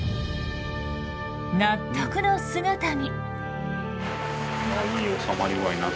納得の姿に。